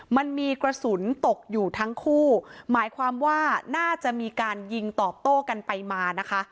มันมีกระสุนตกอยู่ทั้งคู่หมายความว่าน่าจะมีการยิงตอบโต้กันไปมานะคะ